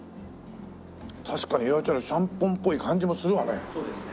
確かに言われたらちゃんぽんっぽい感じもするわね。